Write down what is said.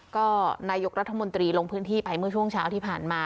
ก็นายกรัฐมนตรีลงพื้นที่ไปเมื่อช่วงเช้าที่ผ่านมา